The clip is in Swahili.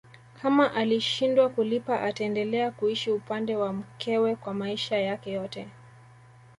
Kama akishindwa kulipa ataendelea kuishi upande wa mkewe kwa maisha yake yote